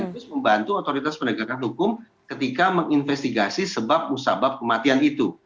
untuk menurut saya kita harus menurut otoritas penegakan hukum ketika menginvestigasi sebab usabab kematian itu